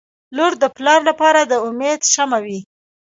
• لور د پلار لپاره د امید شمعه وي.